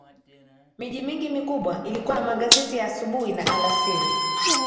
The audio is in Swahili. Miji mingi mikubwa ilikuwa na magazeti ya asubuhi na alasiri